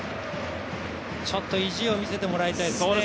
ちょっと意地を見せてもらいたいですね。